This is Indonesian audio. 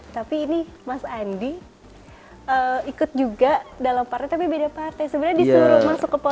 tapi ini mas andi ikut juga dalam partai tapi beda partai sebenarnya disuruh masuk ke politik